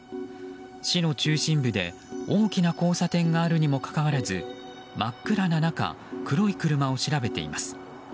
市の中心部で、大きな交差点があるにもかかわらず真っ暗な中黒い車を調べています。